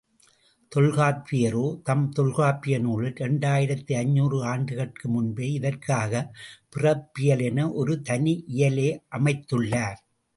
தொல்காப்பியரோ தம் தொல்காப்பிய நூலில் இரண்டாயிரத்தைந்நூறு ஆண்டுகட்கு முன்பே, இதற்காகப் பிறப்பியல் என ஒரு தனி இயலே அமைத்துள்ளார்.